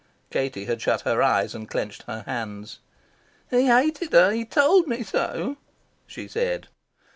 Katie had shut her eyes, and clenched her hands. "He hated her. He told me so," she said.